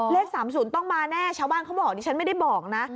เลขสามศูนย์ต้องมาแน่ชาวบ้านเขาบอกไม่ได้บอก